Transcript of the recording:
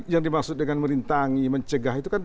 yang dimaksud dengan merintangi mencegah itu kan